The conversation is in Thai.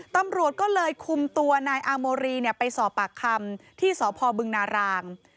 ตำรวจก็เลยคุมตัวนายอาโมรีไปสอบปากคำที่สพบึงนาราง